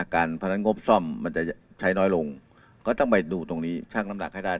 พนันงบซ่อมมันจะใช้น้อยลงก็ต้องไปดูตรงนี้ช่างน้ำหนักให้ได้